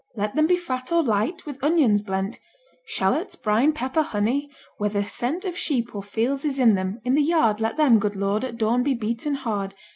Let them be fat or light, with onions blent, Shallots, brine, pepper, honey; whether scent Of sheep or fields is in them, in the yard Let them, good Lord, at dawn be beaten hard.